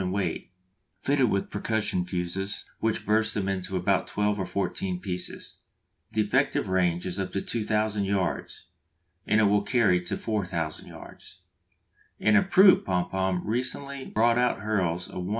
in weight, fitted with percussion fuses which burst them into about twelve or fourteen pieces. The effective range is up to 2000 yards, and it will carry to 4000 yards. An improved Pom pom recently brought out hurls a 1 1/4 lb.